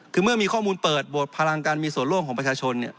คือเมื่อมีข้อมูลเปิดโหวตพลังการมีส่วนร่วมของประชาชน